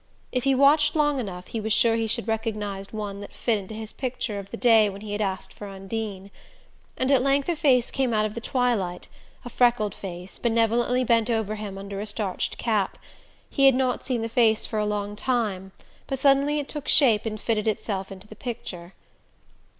If he watched long enough he was sure he should recognize one that fitted into his picture of the day when he had asked for Undine. And at length a face came out of the twilight: a freckled face, benevolently bent over him under a starched cap. He had not seen the face for a long time, but suddenly it took shape and fitted itself into the picture...